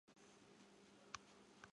他也是斯特鲁米察区的区长。